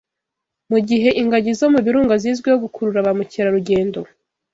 Ni mu gihe ingagi zo mu birunga zizwiho gukurura ba mukerarugendo